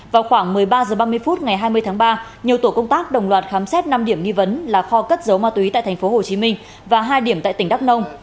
vào khoảng một mươi ba h ba mươi phút ngày hai mươi tháng ba nhiều tổ công tác đồng loạt khám xét năm điểm nghi vấn là kho cất dấu ma tùy tại thành phố hồ chí minh và hai điểm tại tỉnh đắk nông